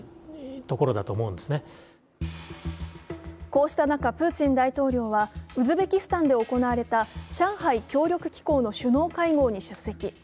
こうした中プーチン大統領はウズベキスタンで行われた上海協力機構の首脳会合に出席。